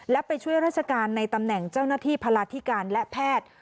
และไปช่วยราชการในตำแหน่งเจ้าหน้าที่พลาธิการและแพทย์